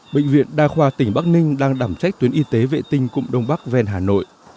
bệnh viện đa khoa tỉnh bắc ninh đang đảm trách tuyến y tế vệ tinh cụm đông bắc ven hà nội